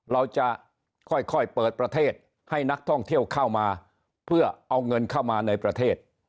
เราจะค่อยเปิดประเทศให้นักท่องเที่ยวเข้ามาเพื่อเอาเงินเข้ามาในประเทศ